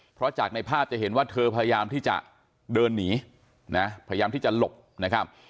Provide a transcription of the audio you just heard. เพราะจากในภาพจะเห็นว่าเธอพยายามที่จะเดินหนีนะพยายามที่จะหลบนะครับ